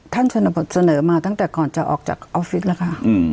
เสนอมาตั้งแต่ก่อนจะออกจากออฟฟิศแล้วค่ะ